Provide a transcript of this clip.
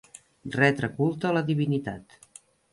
Retre culte a la divinitat.